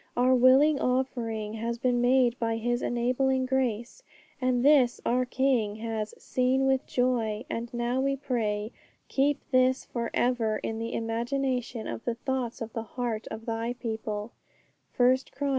Our willing offering has been made by His enabling grace, and this our King has 'seen with joy.' And now we pray, 'Keep this for ever in the imagination of the thoughts of the heart of Thy people' (1 Chron.